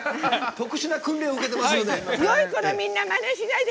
特殊な訓練を受けてますので。